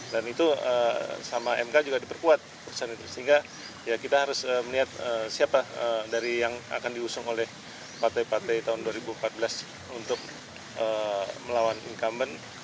itu sama mk juga diperkuat keputusan itu sehingga ya kita harus melihat siapa dari yang akan diusung oleh partai partai tahun dua ribu empat belas untuk melawan incumbent